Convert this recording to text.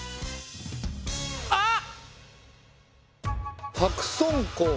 あっ！